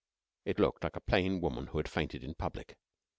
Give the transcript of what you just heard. It looked like a plain woman who had fainted in public.